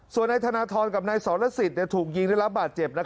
ส่วนนายธนทรกับนายสรสิทธิ์ถูกยิงได้รับบาดเจ็บ